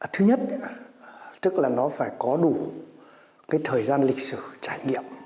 thứ nhất tức là nó phải có đủ thời gian lịch sử chảy